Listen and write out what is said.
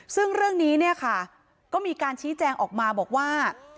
ซึ่งเรื่องนี้เนี่ยค่ะก็มีการชี้แจงออกมาบอกว่า